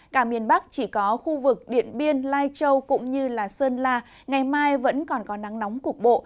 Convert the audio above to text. cả miền bắc chỉ có khu vực điện biên lai châu cũng như sơn la ngày mai vẫn còn có nắng nóng cục bộ